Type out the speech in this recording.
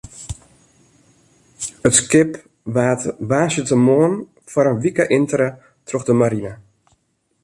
It skip waard woansdeitemoarn foar in wike entere troch de marine.